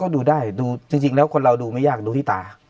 ดูได้ดูจริงแล้วคนเราดูไม่ยากดูที่ตา